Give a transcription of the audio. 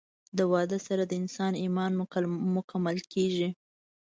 د واده سره د انسان ايمان مکمل کيږي